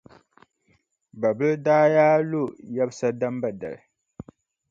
Babila daa yaa lo yɛbisa Damba dali.